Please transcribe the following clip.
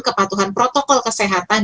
kepatuhan protokol kesehatan